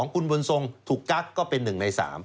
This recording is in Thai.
คุณบุญทรงถูกกักก็เป็น๑ใน๓